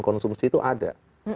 konsumsi itu ada